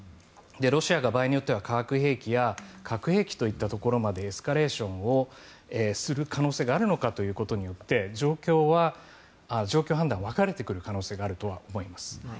ロシアが場合によっては化学兵器や核兵器といったところまでエスカレーションをする可能性があるのかということによって状況判断は分かれてくる可能性はあると思います。